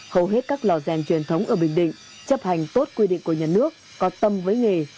hầu hết các lò rèn truyền thống ở bình định chấp hành tốt quy định của nhà nước có tâm với nghề